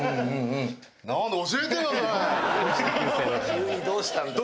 急にどうしたんだよ。